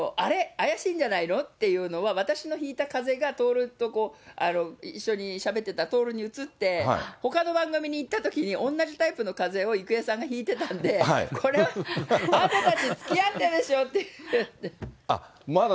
怪しいんじゃないのっていうのは、私のひいたかぜが徹と、一緒にしゃべってた徹にうつって、ほかの番組に行ったときに、同じタイプのかぜを郁恵さんがひいてたんで、これは、あなたたちつきあってるでしょ？って言って。